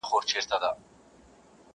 o کوڅه دربی سپى څوک نه خوري!